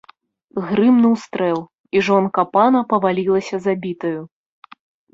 Грымнуў стрэл, і жонка пана павалілася забітаю.